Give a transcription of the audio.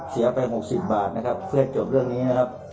เสียไป๖๐บาทนะครับเพื่อให้จบเรื่องนี้นะครับ